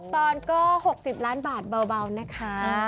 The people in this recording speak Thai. ตอนก็๖๐ล้านบาทเบานะคะ